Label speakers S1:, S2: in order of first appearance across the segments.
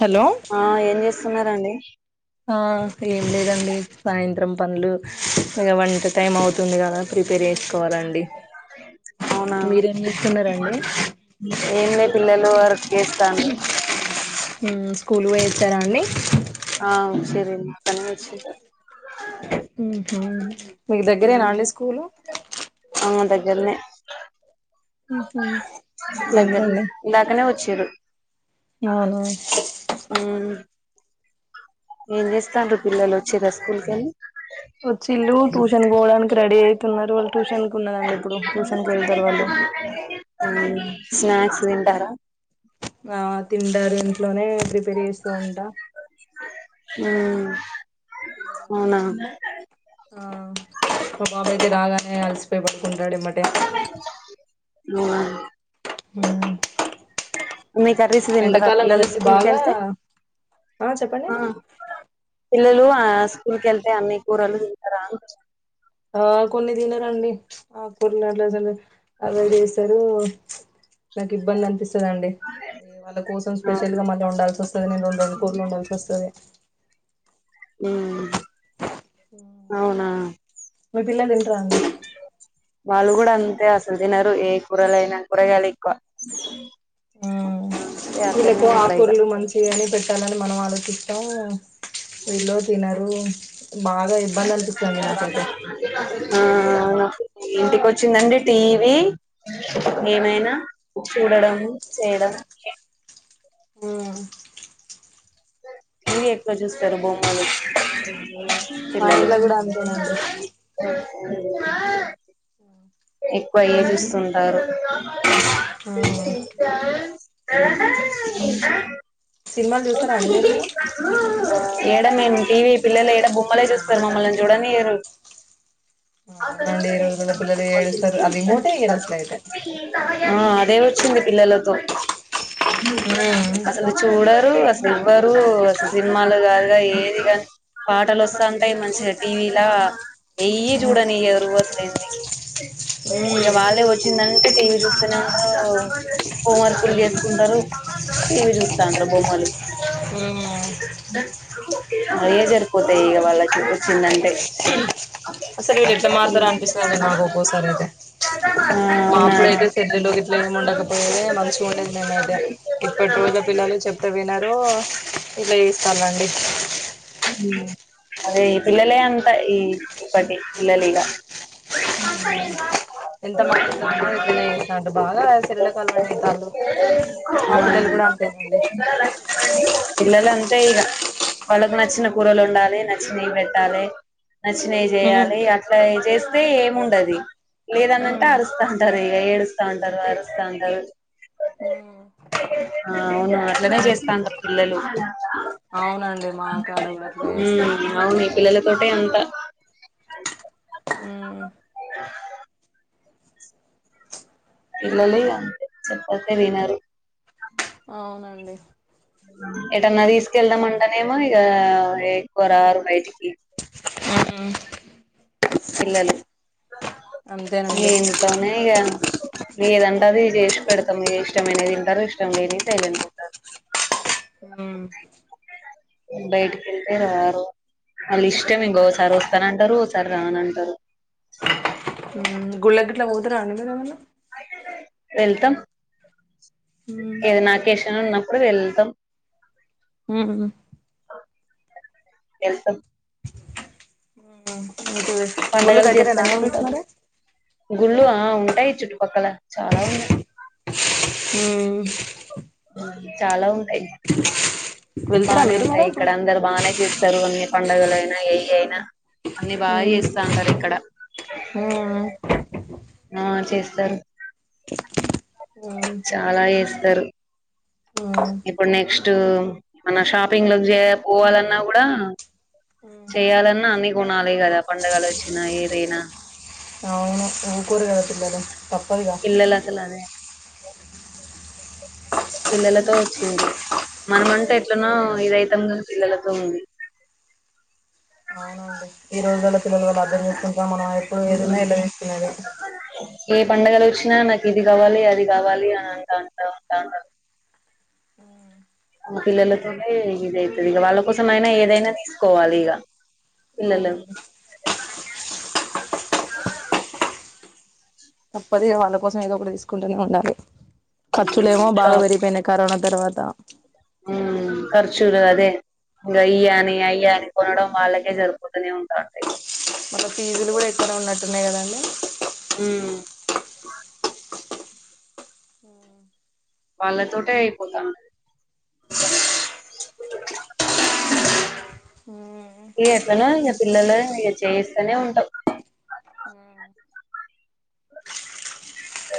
S1: Hello
S2: ఆ ఏం చేస్తున్నారండి
S1: ఆ ఏం లేదండి సాయంత్రం పనులు ఇగా వంట టైం అవుతుంది కదా ప్రిపేర్ చేసుకో పోవాలండి
S2: అవునా
S1: మీరేం చేస్తున్నారండి
S2: ఏం లే పిల్లలు వర్క్ చేస్తనర్
S1: ఉ స్కూల్ పోయాచారాండి
S2: ఆ సరే పని చేసుకుంటా
S1: ఉహు మీకు దగ్గరేనండి స్కూలు
S2: ఆ దగ్గరనే
S1: ఉహు
S2: దగ్గరనే
S1: ఇంకేంటండి
S2: ఇందాకనే వచ్చిరు
S1: అవునా
S2: ఉమ్ ఏం చేస్తార్రు పిల్లలు ఒచ్చిర్రా స్కూల్ కెళ్ళి.
S1: వచ్చిళ్ళు ట్యూషన్ పోవడానికి రెడీ అయితున్నారు వాళ్ళు ట్యూషన్ కు ఉన్నదండి ఇప్పుడు ట్యూషన్ కేళ్తారు వాళ్ళు.
S2: ఉ స్నాక్స్ తింటారా.
S1: ఆ తింటారు ఇంట్లోనే ప్రిపేర్ చేస్తూ ఉంటా
S2: ఉ
S1: తింటారు.
S2: అవునా.
S1: ఆ మా బాబైతే రాగానే అలిసిపోయి పడుకుంటాడు ఎబాటే.
S2: ఉమ్
S1: ఉమ్
S2: మీ కర్రీస్ తింటరా పిల్లలు స్కూల్
S1: బాగా
S2: కెల్తే ఆ. పిల్లలు ఆ స్కూల్ కేళ్తే అన్ని కూరలు తింటారా అంటున్న.
S1: ఆ కొన్ని తినారండి ఆకూరలు అసలే అవిడ్ చేస్తారు. నాకు ఇబ్బంది అనిపిస్తదండి. ఇగ వాళ్ళ కోసం స్పెషల్ గా మళ్ళ వండాల్సి వస్తాది నేను రెండు రెండు కూరలు వండాల్సి వస్తాది.
S2: ఉమ్
S1: ఉ
S2: అవునా
S1: మీ పిల్లలు తింటారా అండి.
S2: వాళ్ళు కూడా అంతే అసలు తినరు ఏ కూరలైనా కూరగాయలే ఎక్కువ.
S1: ఉ
S2: అంతే అట్లనే
S1: వీళ్ళకేమో
S2: ఉంటారు ఇగ
S1: ఆకూరలు మంచి అని పెట్టాలని మనం ఆలోచిస్తాం. వీళ్ళు తినరు. బాగా ఇబ్బంది అనిపిస్తదండి నాకైతే
S2: ఆ ఆ ఇంటికి వచ్చిందంటే టీవీ ఏమైనా చూడడం. చేయడం.
S1: మ్మ్
S2: టీవీ ఎక్కువ చూస్తాది బొమ్మలు.
S1: మా
S2: పిల్లలు
S1: ఇంట్లో గుడ అంతేనాండి.
S2: ఎక్కువ అయ్యే చూస్తుంటారు.
S1: మ్మ్ సినిమాలు చూస్తారా అండి మీరు మరి
S2: ఎడ మేం టివి. పిల్లలు ఎడ బొమ్మలే చూస్తరు, మమ్మల్ని చూడనియరు. ఆ
S1: అవునండి ఈ రోజులలో పిల్లలు ఏడుస్తారు ఆ రిమోటే ఇయ్యరు అసలు అయితే
S2: ఆ. అదే వచ్చింది పిల్లలతో, అసలు చూడ రు అసలు ఇవ్వరు అసలు సినిమాలు కాదుగా ఏది కాని. పాటలు వస్తాంటై మంచిగా టీవీలా ఎయ్యి చూడనియ్యరు అసలేంది.
S1: ఉమ్
S2: ఇగ వాళ్ళే వచ్చిందంటే టీవీ చూస్తనే ఉంటరు, హోం వర్కులు చేసుకుంటరు. టీవీ చూస్తా అంటరూ బొమ్మలు.
S1: ఉమ్
S2: అయ్యే జరిపోతయి ఇగ వాళ్ళకి వచ్చిందంటే.
S1: అసలు వీళ్ళు ఎట్ల మారుతరు అనిపిస్తందండి నాకు ఒక్కొక్కసారి ఐతే.
S2: ఆ అవునా
S1: మాప్పుడయితే సెల్లులు గిట్ల ఏం ఉండకపోయేది మంచిగ ఉండేది మేమైతే, ఇప్పటిరో రోజుల పిల్లలు చెప్తే వినరూ ఇట్ల చేస్తాలండి.
S2: అదే ఈ పిల్లలే అంత, ఈ ఈప్పటి పిల్లలిగా.
S1: ఎంత మారుద్దాం అన్నా ఇట్లనే చేస్తాండు, బాగా సెల్లులకు అలవాటు అయితాల్లు. మా పిల్లలు కూడా అంతేనండి.
S2: పిల్లలు అంతే ఇగ వాళ్ళకి నచ్చిన కూరలు ఉండాలి నచ్చినయి పెట్టాలే. నచ్చినవి
S1: ఉమ్
S2: చేయాలి అట్లా చేస్తే ఏముండది, లేదనంటే
S1: ఉమ్
S2: అరుస్తంటది. ఏడుస్తంటరు, అరుస్తంటరు
S1: ఉమ్
S2: ఆ అవునా. ఇట్లనే
S1: అన్
S2: చేస్తాంటరు పిల్లలు.
S1: అవునండి. మా కాడ కూడా అట్లే
S2: ఉమ్
S1: చేస్తారు మా
S2: అవును
S1: పిల్లలు
S2: ఈ
S1: కూడా
S2: పిల్లల తోటే అంత.
S1: ఉమ్
S2: పిల్లలే అంతే చెప్పందె వినరు.
S1: అవునండి.
S2: ఎటన్నా తీసుకెళ్దామంటెనేమో ఇగ ఎక్కువ రారు బయటికి.
S1: ఉమ్
S2: పిల్లలు ఇగ
S1: అంతేనండి
S2: ఇంట్లోనే ఇగ ఏదంట అది చేశి పెడతం ఇష్టమైనదింటరు, ఇష్టం లేనివి సైలెంట్ ఉంటరు.
S1: ఉమ్
S2: బయటికెళ్తే రారు. వాళ్ళ ఇష్టం ఇంగోసారి వొస్తనంటరు, ఓసారి రానంటరు.
S1: గుల్ల గిట్ల పోతరా అండి మీరేమన్నా.
S2: వెళ్తాం
S1: ఉమ్
S2: ఏదన్నా అకేషన్ ఉన్నప్పుడు వెళ్తాం.
S1: ఉహు
S2: ఎల్తం
S1: మీకు గుళ్ళు
S2: పండగలు
S1: దగ్గరేనా
S2: చేస్తనే
S1: అండి మీకు
S2: ఉంటరు.
S1: మరి
S2: గుళ్ళు ఆ ఉంటాయి చుట్టుపక్కల, చాలా ఉన్నయి.
S1: ఉమ్
S2: చాలా ఉంటయి,
S1: వెళ్తారా
S2: బానే
S1: మీరు మరి
S2: ఉటాయి
S1: గు
S2: ఇక్కడ అందరు బానే చేస్తరు అన్ని. పండుగలయినా ఏయి అయినా అన్ని బాగా
S1: ఉమ్
S2: చేస్తా అంటరు ఇక్కడ.
S1: ఉమ్
S2: ఆ చేస్తరు.
S1: ఉమ్
S2: చాలా వేస్తారు
S1: ఉమ్
S2: ఇప్పుడు నెక్స్ట్ మన షాపింగ్ లో చే పోవాలన్నా కూడా చేయాలన్నా అన్ని కొనాలి కదా పండుగలు వచ్చినా ఏదైనా
S1: అవును ఊకోరు కదా పిల్లలు తప్పదుగా
S2: పిల్లలు అసలు అదే పిల్లలతో వచ్చింది మనమంటే ఎట్లనో ఇదఅయితం పిల్లలతో ఉంది
S1: అవునండి ఈ రోజుల్లో పిల్లల వల్ళ అర్థం చేసుకుంటా మనం ఎప్పుడు ఏదైన్నా ఇల్లా చేస్తునేది
S2: ఏ పండగలు వచ్చినా నాకు ఇది కావాలి అది కావాలి అని అంటా అంటా ఉంటా అంట ఆ పిల్లలతో ఇదవుతుది ఇక వాళ్ళ కోసం అయినా ఏదైనా తీసుకోవాలి ఇక
S1: అవునండి
S2: ఆ
S1: తప్పద వాళ్ళ కోసం ఏదో ఒక తీసుకుంటూనే ఉండాలి ఖర్చులే ఏమో బాగా
S2: షాప్
S1: పెరిగిపోయిన కరోనా తర్వాతా
S2: ఊ కరచూరు అదే ఇంకా అయ్య అని అయ్యా అని కొనడం వాళ్ళకే జరుపోతూనే ఉంటాంటయి
S1: మళ్ళ ఫీజులు కూడా ఎక్కడ ఉన్నట్టున్నాయి కదండి
S2: ఊ వాళ్ళతోటే అయిపోతాము ఇ ఎట్లన ఇక పిల్లలు ఇక చేయిస్తూనే ఉంటాం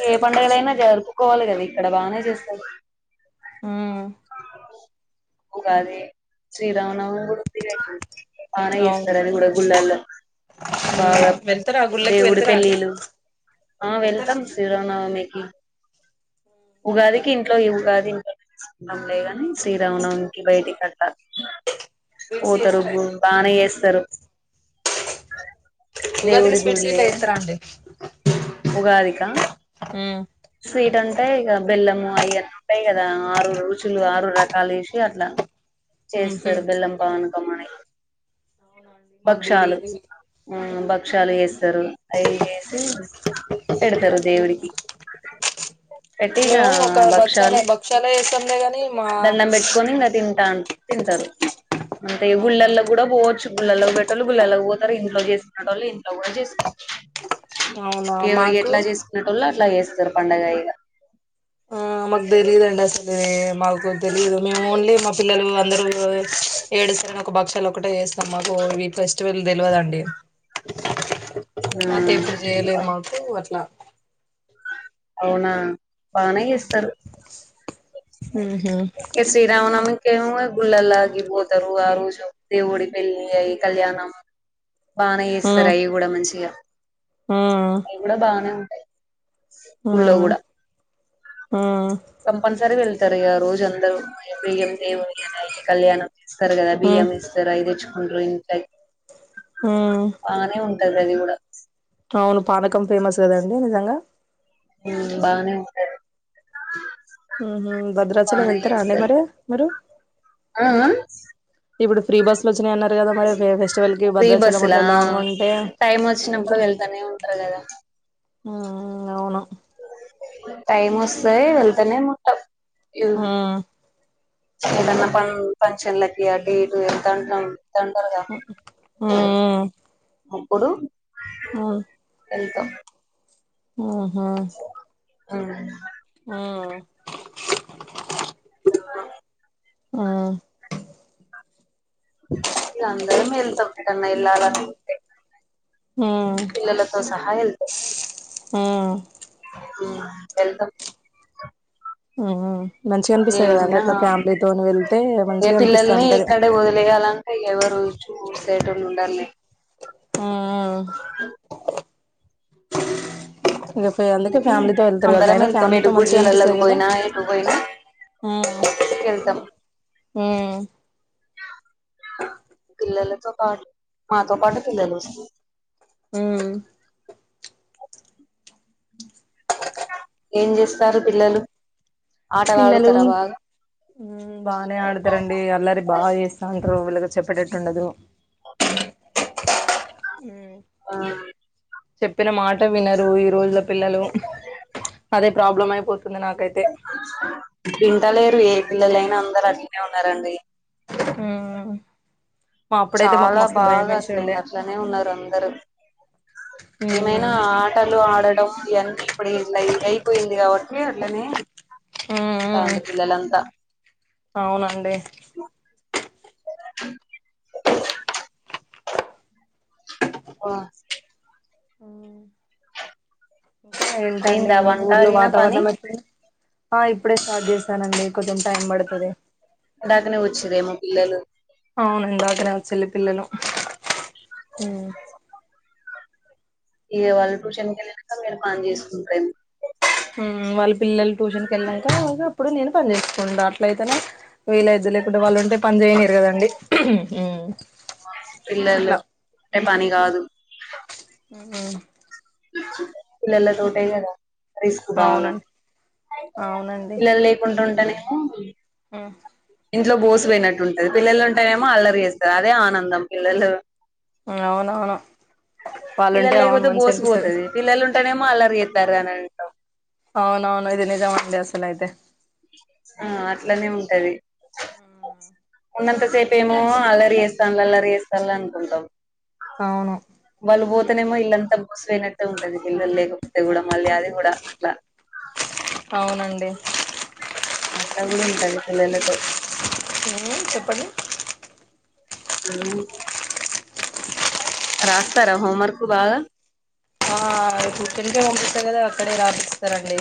S2: ఏ పండుగలైనా జరుపుకోవాలి కదా ఇక్కడ బాగానే చేస్తారు
S1: ఉమ్
S2: ఉగాది శ్రీరామనవమి కూడా వుందిగాండి బనే
S1: అవును
S2: చేస్తారు అది కూడా గుళల్లో బాగా
S1: వెళ్తారా గుళ్ళకి
S2: దేవుడి
S1: వెళ్తారా అండి
S2: పెళ్ళిలు ఆ
S1: వెళ్తారా
S2: వెళ్తాం శిరామనవమి ఉగాదికి ఇంట్లో ఈ ఉగాది ఇంట్లో లేగానే శ్రీరామనవికి బయటి కట్ట
S1: స్వీట్స్
S2: పోతారు
S1: చేస్తారా
S2: గు
S1: అయితే?
S2: బానే చేస్తారు
S1: ఉగాదికి స్వీట్స్ గిట్ల ఇస్తార అండి
S2: ఉగాదిక స్వీట్ అంటే ఇక బెల్లం అయ అప్పాయి కదా ఆరు రోజులు ఆరు రకాలు వేసి అట్లా
S1: ఉహు
S2: చేస్తారు బెల్లం పానకం అని
S1: మాకు
S2: భక్షాలు
S1: తెలీదు
S2: భక్షాలు వేస్తారు అవి వేసి పేడతారు దేవుడికి పెట్టి ఇక
S1: మేము ఒక
S2: భక్షాలు
S1: భక్షాలే భక్షాలే చేస్తాంలే గాని మా
S2: దండం పెట్టుకొని ఇంకా తింటాను తింటారు అంటే
S1: అవునా
S2: గుళ్ళల్లో కూడా పోవచ్చు గుళ్లల్లోకి పెట్టళ్ళు గుళ్ళల్లోకి పోతారు ఇంట్లో చేసుకునేటెళ్ళు ఇంట్లో కూడా చేసుకుంటారు
S1: అవునా
S2: ఎవరు ఎట్లా
S1: మాకు
S2: చేసుకునేట్ వాళ్ళు అట్లా చేస్తారు పండగయగా
S1: ఆ మాకు తెలీదుండి అసలు మాకు తెలీదు మేము ఓన్లీ మా పిల్లలు అందరు ఏడుసైన ఒక బక్షాలు ఒకటే వస్తాం మాకు ఈ ఫెస్టివల్ తెలియదండి మాతో ఎప్పుడు చేయలేదు
S2: ఆ
S1: మాతో అట్లా
S2: అవునా బానే చేస్తారు
S1: ఉహు
S2: ఏ శ్రీరామనామి కేవ గుల్లల్గిపోతరు ఆ రోజు దేవుని పెళ్లిని అయి కళ్యాణం బానే
S1: ఆ
S2: చేస్తారు అవి కూడా మంచిగా
S1: ఆ
S2: అవి
S1: ఆ
S2: కూడా బాగానే ఉంటాయి గుళ్ళో కూడ
S1: ఆ
S2: కంపల్సరీ వెళ్తారు ఈగ రోజు అందరు ప్రియయం దేవి వెళ్ళ కళ్యాణం ఇస్తారు కదా
S1: ఆ
S2: బియ్యం ఇస్తారు అ తెచ్చుకుంట్రు ఇంట్లో బానే ఉంటది ప్రది కూడా
S1: ఆ అవును పానకం ఫేమస్ కదండి నిజంగా
S2: బాగానే
S1: భద్రాచల
S2: బాగానే
S1: వెళ్తారా అండి
S2: చేస్తారు
S1: మరి మీరు
S2: ఆ
S1: ఇప్పుడు ఫ్రీ బస్ ఇట్ వచ్చిన అన్నారు కదా మరి ఫెస్టివల్ కి
S2: ఫ్రీ
S1: భద్రాచలం
S2: బస్సులా
S1: అట్ే లాంగ్ ఉంటే
S2: టైం వచ్చినప్పుడు
S1: వెళ్తారు
S2: వెళ్తానే ఉంటారు కదా
S1: అవును
S2: టైమ్ వస్తాయి వెళ్తానే ము
S1: ఆ
S2: ఏదన్నా ప ఫంక్షన్లకి ఆ డేటు ఎంత అంటాం
S1: హ
S2: అప్పుడు
S1: ఆవు
S2: వెల్ంత
S1: ఆహా
S2: అవు అ
S1: ఆ
S2: అంద మేలు తప్పట్టన్న ఎల్ాల పిల్లల త సహాయ వెల్తమ్
S1: ఆ
S2: ఏన్నా
S1: వెళ్తే
S2: ఏ
S1: మంచిగా అనిపిస్తా
S2: పిల్లల్ని
S1: ఉంటది
S2: ఇక్కడే వదిలేయాలంటే ఎవరు చూసేట ఉండాలి
S1: ఆ అందుకే
S2: అందుే
S1: ఫ్యామిలీతో వెళ్తారు కదా
S2: అందరం
S1: అయినా
S2: వెళ్తాం
S1: ఫ్యామిలీతో
S2: ఇటు
S1: మంచిగా
S2: గుడిలకి
S1: అనిపిస్తది కదా
S2: పోయినా ఎటు పోయినా తీసుకెళ్తాం
S1: హ
S2: పిల్లలతో పాటు మాతో పాటు పిల్లలు వస్తయి ఏం చేస్తారు పిల్లలు ఆటలు
S1: పిల్లలు
S2: ఆడుతారా బాగా
S1: బాగానే ఆడతారంండి అల్లరి బాగా చేస్తాంటారుళ చెప్పటిట్ండదు
S2: ఆ
S1: చెప్పిన మాట వినరు ఈ రోజుల పిల్లలు అదే ప్రాబ్లం అయిపోతు
S2: వింటలేరు ఏ పిల్లలైనా అందరు అట్లనే ఉన్నారండి
S1: ఆ
S2: చాలా బాగా సిలిండర్లోనే ఉన్నారు అందరుూ ఏమైనా ఆటలు ఆడ ఇవన్నీ ఇప్పుడు ఇట్లా అయిపోయింది కాబట్టి అట్లనే అంటా
S1: ఉమ్
S2: ఉంట పిల్లలు ఎంతా
S1: అవునండి
S2: ఆఓ
S1: ఆ ఇకా ఏంటండి
S2: అయిందా
S1: మీ
S2: వంట
S1: ఊర్లో
S2: అయినా పని
S1: వాతావరణం వచ్చ ఆ ఇప్పుడే స్టార్ట్ చేస్తానండి కొంచెం టైం పడుతుంది
S2: ఇల్దు
S1: అవునుందా అదనా చెల్ పిల్లల
S2: ఇ వాళ్ళ ట్యూషన్కి వెళ్ళాక మీరు పని చేసుకుంటాము
S1: వాళ్ళ పిల్లలు ట్యూషన్కి వెళ్ళాం క ఇప్పుడు నేను పని చేసుకోండా అట్ల అయితేనే వీళ ఎదు లేకుండా వాళ్ళు ఉంటే పని చేయనిరు కదండి.
S2: పిల్లలు
S1: అట్లా
S2: అంటే పని కాదు
S1: ఉ
S2: పిల్లలతోటే ఇంకా రిస్క్ బాగా
S1: అవునండి
S2: పిల్లలు లేకుండా ఉంటనేమో
S1: ఆ
S2: ఇంట్లో బోసు పోయినట్టు ఉంటది. పిల్లలు ఉంటయేమో అల్లరిచేస్తారు. అదే ఆనందం పిల్లలు
S1: అవునవును వాళ్ళుంటే
S2: పిల్లలు
S1: అవును
S2: లేకపోతే
S1: మంచి అనిపిస్తది
S2: బోసుకుపోతది. పిల్లలు ఉంటేనేమో అల్లరి చేస్తారు అని అం
S1: అవునవును ఇది నిజమండి అసల అయితే
S2: ఆ అట్లనే ఉంటది ఉన్నంత సేపు ఏమో అల్లరి చేస్తాఅండల్లా అలరి చేస్తాల అనుకుంటాం.
S1: అవును
S2: అస్తనేమో ఇల్లంతా బోసిపోయినట్టే ఉంటది. పిల్లలు లేకపోతే కూడా మళ్ళీ అది కూడా అట్లా
S1: అవునండి
S2: అట్ట కూడా ఉంటది పిల్లలతో
S1: హలో చెప్పండి
S2: రాస్తారా హోం వర్క్ బాగా
S1: ఆ తెలుగే ఉంటే కదా అక్కడే రాపిస్తారండి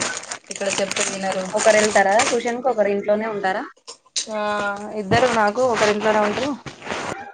S1: ఇక్కడ చెప్తే వినరు
S2: ఒకరు వెళ్తారా ట్యూషన్ ఒకరు ఇంట్లోనే ఉంటారు
S1: కు ఒకరు ఇంట్లోనే ఉంటే
S2: అ